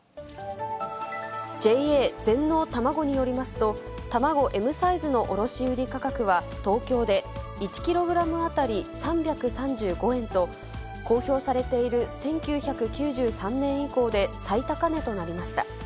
ＪＡ全農たまごによりますと、卵Ｍサイズの卸売り価格は、東京で１キログラム当たり３３５円と、公表されている１９９３年以降で最高値となりました。